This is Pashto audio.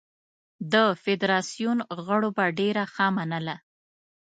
د فدراسیون غړو به ډېره ښه منله.